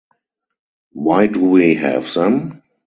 Why do we have them?